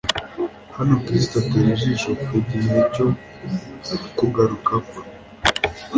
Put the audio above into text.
Hano Kristo atera ijisho ku gihe cyo kugaruka kwe.